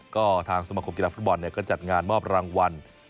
ก็ทางสมคมกีฬาฟุตบอลก็จัดงานมอบรางวัล